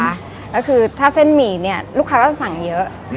แล้วคือถ้าเส้นหมี่เนี่ยลูกค้าก็จะสั่งเยอะ